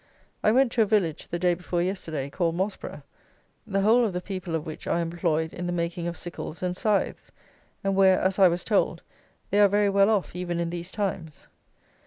I went to a village, the day before yesterday, called Mosborough, the whole of the people of which are employed in the making of sickles and scythes; and where, as I was told, they are very well off even in these times.